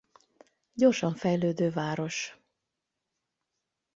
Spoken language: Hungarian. Gyorsan fejlődő város.